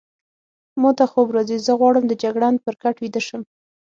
ما ته خوب راځي، زه غواړم د جګړن پر کټ ویده شم.